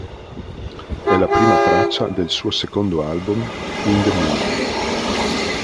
È la prima traccia del suo secondo album "In the Mood".